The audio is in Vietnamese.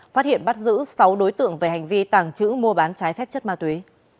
phát hiện bắt giữ sáu đối tượng về hành vi tàng trữ mua bán trái phép chất ma túy